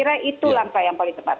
saya kira itu langkah yang paling tepat